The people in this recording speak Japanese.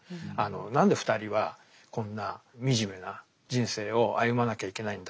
何で２人はこんな惨めな人生を歩まなきゃいけないんだ。